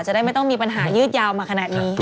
จะได้ไม่ต้องมีปัญหายืดยาวมาขนาดนี้